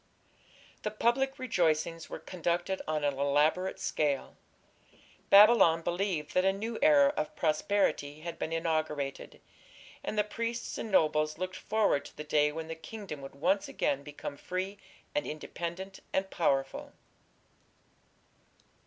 The public rejoicings were conducted on an elaborate scale. Babylon believed that a new era of prosperity had been inaugurated, and the priests and nobles looked forward to the day when the kingdom would once again become free and independent and powerful.